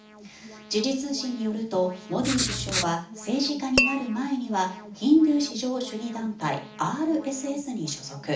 時事通信によるとモディ首相は政治家になる前にはヒンドゥー至上主義団体ＲＳＳに所属。